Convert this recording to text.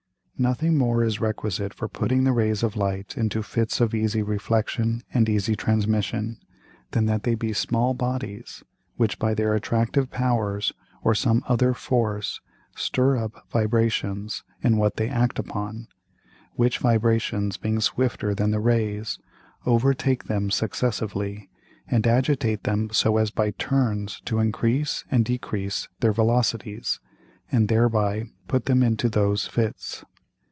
Nothing more is requisite for putting the Rays of Light into Fits of easy Reflexion and easy Transmission, than that they be small Bodies which by their attractive Powers, or some other Force, stir up Vibrations in what they act upon, which Vibrations being swifter than the Rays, overtake them successively, and agitate them so as by turns to increase and decrease their Velocities, and thereby put them into those Fits.